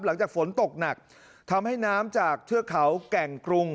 หลังจากฝนตกหนักทำให้น้ำจากเทือกเขาแก่งกรุง